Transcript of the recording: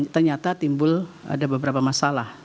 ternyata timbul ada beberapa masalah